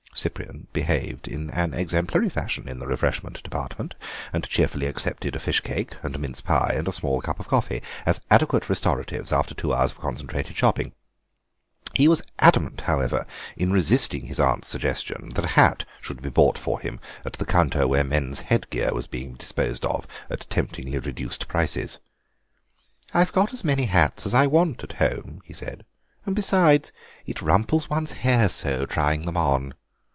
Cyprian behaved in an exemplary fashion in the refreshment department, and cheerfully accepted a fish cake and a mince pie and a small cup of coffee as adequate restoratives after two hours of concentrated shopping. He was adamant, however, in resisting his aunt's suggestion that a hat should be bought for him at the counter where men's headwear was being disposed of at temptingly reduced prices. "I've got as many hats as I want at home," he said, "and besides, it rumples one's hair so, trying them on."